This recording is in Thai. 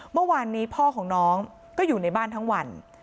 เมื่อวานนี้พ่อของน้องก็อยู่ในบ้านทั้งวัน